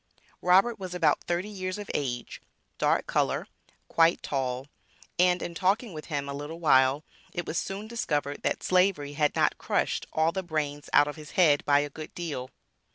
Robert was about thirty years of age, dark color, quite tall, and in talking with him a little while, it was soon discovered that Slavery had not crushed all the brains out of his head by a good deal.